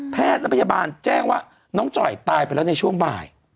แพทย์และพยาบาลแจ้งว่าน้องจ่อยตายไปแล้วในช่วงบ่าย